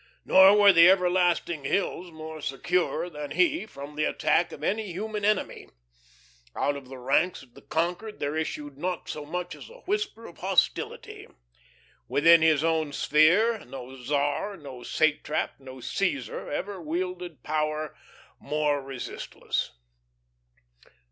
Nor were the everlasting hills more secure than he from the attack of any human enemy. Out of the ranks of the conquered there issued not so much as a whisper of hostility. Within his own sphere no Czar, no satrap, no Caesar ever wielded power more resistless.